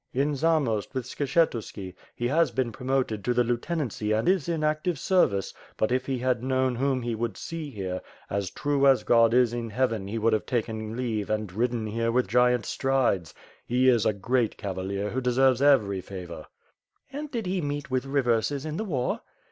"In Zamost with Skshetuski. He has been promoted to the lieutenancy and is in active service, but if he had known whom he would see here, as true as God is in heaven, he would have taken leave and ridden here with giant strides. He is a great cavalier who deserves every favor." "And did he meet with reverses in the war?"